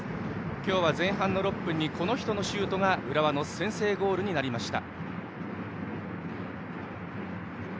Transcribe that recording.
今日は前半６分この人のシュートが浦和の先制ゴールでした。